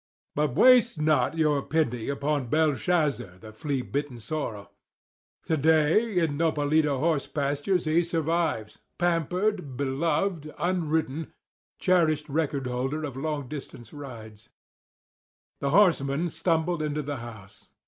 But waste not your pity upon Belshazzar, the flea bitten sorrel. To day, in Nopalito horse pasture he survives, pampered, beloved, unridden, cherished record holder of long distance rides. The horseman stumbled into the house.